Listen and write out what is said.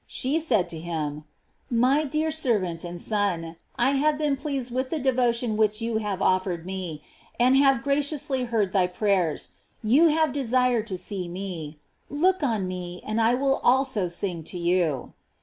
She said to him: "My dear servant and son, I have been pleased with the devotion which you have of fered me, and have graciously heard your pray ers: you have desired to see me; look on me, and I will also sing to you."